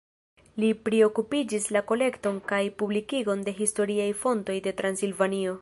Li priokupiĝis la kolekton kaj publikigon de historiaj fontoj de Transilvanio.